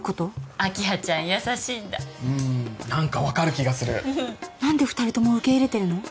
明葉ちゃん優しいんだうん何か分かる気がする何で二人とも受け入れてるの？